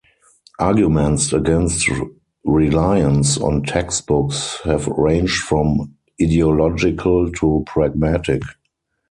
Arguments against reliance on textbooks have ranged from ideological to pragmatic.